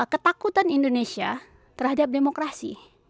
ketakutan indonesia terhadap demokrasi